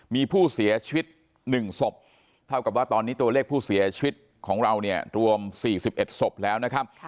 มีผู้เสียชีวิต๑ศพเท่ากับว่าตอนนี้ตัวเลขผู้เสียชีวิตของเราเนี่ยรวม๔๑ศพแล้วนะครับ